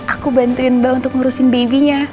aku bantuin mbak untuk ngurusin babynya